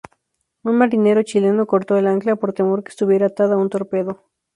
Un marinero chileno cortó el ancla por temor que estuviera atada a un torpedo.